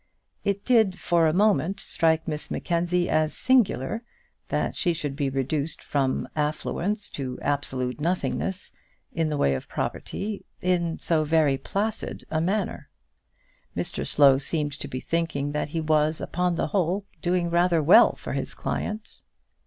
It did, for a moment, strike Miss Mackenzie as singular, that she should be reduced from affluence to absolute nothingness in the way of property, in so very placid a manner. Mr Slow seemed to be thinking that he was, upon the whole, doing rather well for his client.